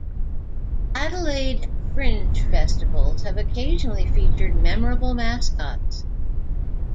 Adelaide Fringe Festivals have occasionally featured memorable mascots.